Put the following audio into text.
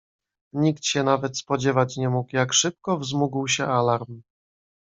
"Nikt się nawet spodziewać nie mógł, jak szybko wzmógł się alarm."